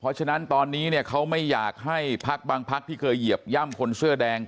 เพราะฉะนั้นตอนนี้เนี่ยเขาไม่อยากให้พักบางพักที่เคยเหยียบย่ำคนเสื้อแดง